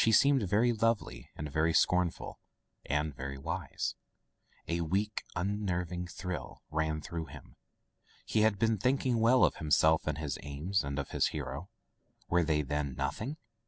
She seemed very lovely and very scornful — and very wise. A weak, unnerving thrill ran through him. He had been thinking well of himself and his aims and of his hero. Were they, then, nothing